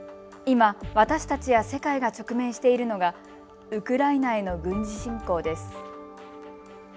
今、私たちや世界が直面しているのがウクライナへの軍事侵攻です。